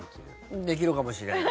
できるかもしれない。